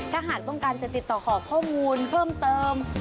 ถ้าหากต้องการจะติดต่อขอข้อมูลเพิ่มเติม